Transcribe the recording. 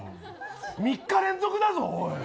３日連続だぞ、おい！